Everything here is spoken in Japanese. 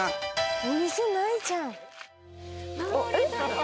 お店ないじゃん。